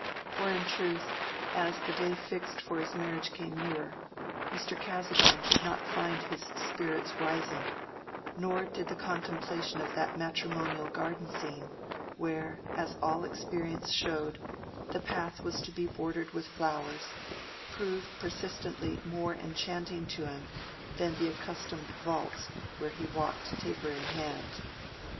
For in truth, as the day fixed for his marriage came nearer, Mr. Casaubon did not find his spirits rising; nor did the contemplation of that matrimonial garden scene, where, as all experience showed, the path was to be bordered with flowers, prove persistently more enchanting to him than the accustomed vaults where he walked taper in hand.